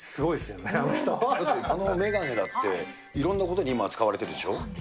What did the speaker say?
あの眼鏡だって、いろんなことに今、使われているでしょう？